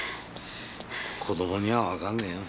子供にはわかんねぇよ。